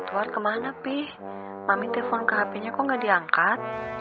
buat kemana pi mami telfon ke hpnya kok nggak diangkat